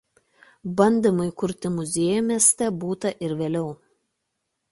Bandymų įkurti muziejų mieste būta ir vėliau.